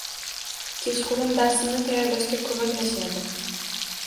Kechqurun darsimni tayyorlashga koʻmaklashadi